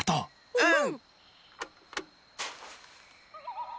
うん。